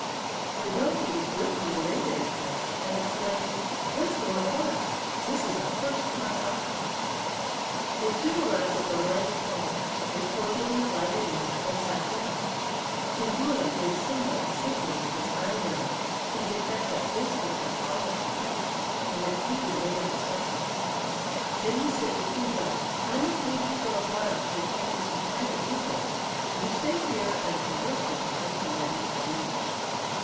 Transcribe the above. "The donkey was greatly elated at this, and exclaimed: 'Let's go at once. This is a first class offer.' "They soon arrived at the lion's home, were cordially invited in, and sat down. Soongoora gave Simba a signal with his eyebrow, to the effect that this was the promised feast, and that he would wait outside. Then he said to Poonda: 'I must leave you for a while to attend to some private business. You stay here and converse with your husband that is to be.'